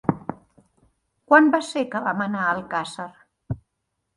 Quan va ser que vam anar a Alcàsser?